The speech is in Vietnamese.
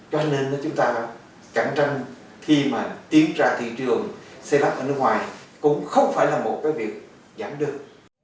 cho nên chúng ta cạnh tranh khi mà tiến ra thị trường xây lắp ở nước ngoài cũng không phải là một cái việc giảm được